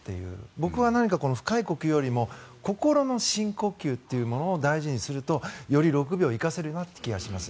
僕は深い呼吸よりも心の深呼吸というものを大事にするとより６秒を生かせるなという気がします。